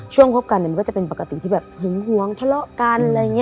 ช่วงครบกันมันก็จะเป็นพักติที่หึงห่วงทะเลาะกัน